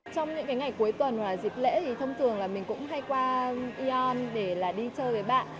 trong những ngày cuối tuần hoặc dịp lễ thì thông thường mình cũng hay qua yon để đi chơi với bạn